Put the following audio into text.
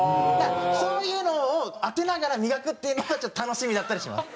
そういうのを当てながら磨くっていうのがちょっと楽しみだったりします。